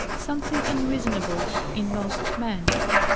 Something unreasonable in most Men.